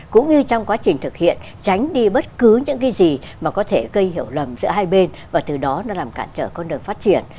cũng như trong quá trình thực hiện tránh đi bất cứ những cái gì mà có thể gây hiểu lầm giữa hai bên và từ đó nó làm cản trở con đường phát triển